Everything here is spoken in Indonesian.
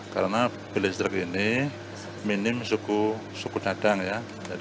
karena bis listrik ini minim suku dadang ya